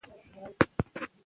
زه د خپلو خوبو تعقیب ته ژمن یم.